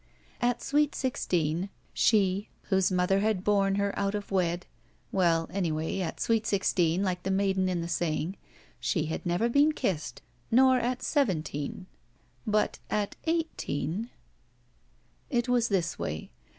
At sweet sixteen she, whose mother had borne her III THE VERTICAL CITY out of wed — ^well, anyway, at sweet sixteen, like the maiden in the saying, ^e had never been kissed, nor at seventeen, but at eighteen — It was this way.